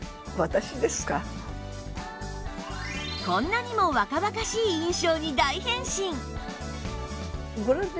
こんなにも若々しい印象に大変身